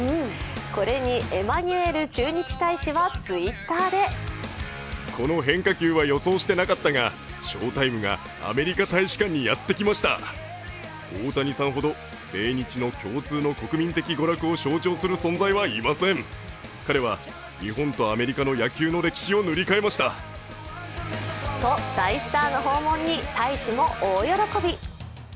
これにエマニュエル駐日大使はツイッターでと、大スターの訪問に大使も大喜び。